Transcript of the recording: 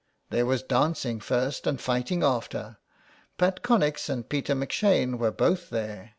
There was dancing first and fighting after. Pat Connex and Peter M 'Shane were both there.